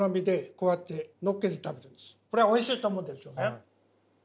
これはおいしいと思うんですよね。